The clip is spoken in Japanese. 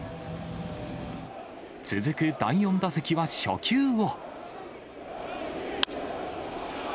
続く第４打席は初球を。